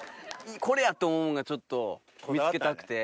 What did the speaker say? これや！って思うもんがちょっと見つけたくて。